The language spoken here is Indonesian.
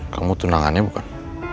kamu tunangannya bukan